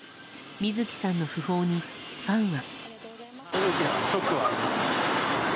水木さんの訃報に、ファンは。